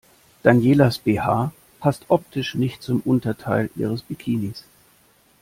Danielas BH passt optisch nicht zum Unterteil ihres Bikinis.